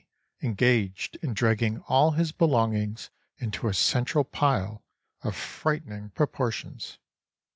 engaged in dragging all his belongings into a central pile of frightening proportions.